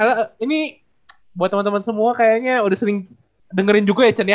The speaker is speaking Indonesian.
iya ini buat teman teman semua kayaknya udah sering dengerin juga ya cen ya